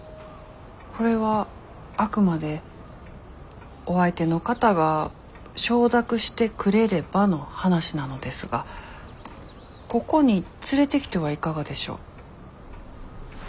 これはあくまでお相手の方が承諾してくれればの話なのですがここに連れてきてはいかがでしょう？え？